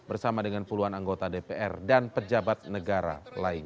bersama dengan puluhan anggota dpr dan pejabat negara lain